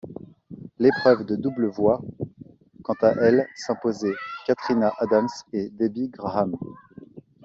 L'épreuve de double voit quant à elle s'imposer Katrina Adams et Debbie Graham.